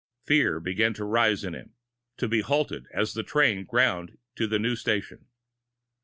Fear began to rise in him, to be halted as the train ground to a new station.